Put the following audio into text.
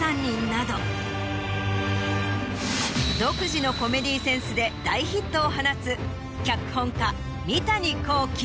独自のコメディーセンスで大ヒットを放つ。